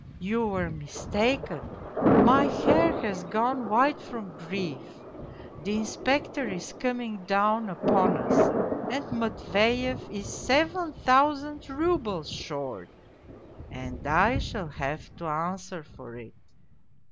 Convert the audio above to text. ... You were mistaken, my hair has gone white from grief. The Inspector is coming down upon us and Matveyev is seven thousand roubles short, and I shall have to answer for it.